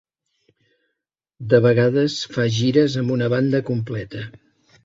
De vegades, fa gires amb una banda completa.